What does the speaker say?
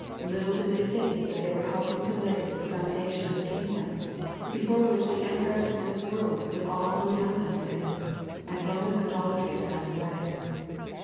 Little did they think that they were helping to lay the foundation of a kingdom, before which the empires of this world would all go down one day, and Boman idolatry pass away.